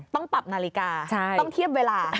ต้องปรับนาฬิกาต้องเทียบเวลา